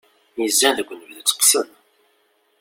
Izan deg unebdu teqqsen.